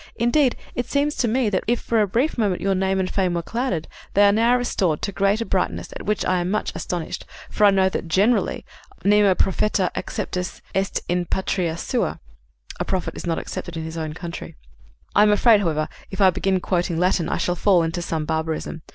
Indeed, it seems to me that, if for a brief moment your name and fame were clouded, they are now restored to greater brightness, at which I am much astonished, for I know that generally Nemo propheta acceptus est in patria sua. I am afraid, however, if I begin quoting Latin, I shall fall into some barbarism.